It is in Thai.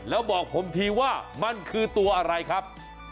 แล้วบอกผมทีว่ามันคือตัวอะไรครับ